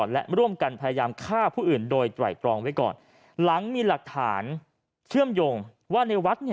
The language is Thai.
ล้างมีหลักฐานเชื่อมยงว่าในวัก